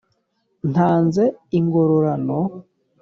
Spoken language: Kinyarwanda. Ntanze ingorarano.